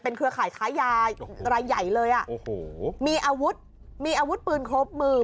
เครือข่ายค้ายารายใหญ่เลยอ่ะโอ้โหมีอาวุธมีอาวุธปืนครบมือ